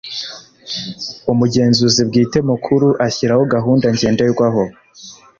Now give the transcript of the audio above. Umugenzuzi Bwite Mukuru ashyiraho gahunda ngenderwaho